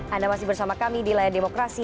anda masih bersama kami di layar demokrasi